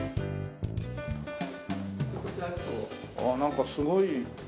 ああなんかすごい。